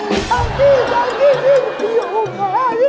ตากินตากิน